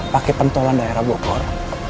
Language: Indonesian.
pakai pentolan daerah bogor